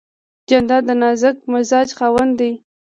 جانداد د نازک مزاج خاوند دی.